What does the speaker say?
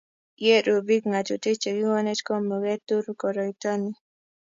ye rub biik ng'atutik che kikikonech ko muketur koroito ni